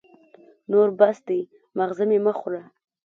نور بس دی ، ماغزه مي مه خوره !